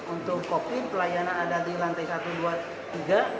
untuk copy pelayanan ada di lantai satu dua tiga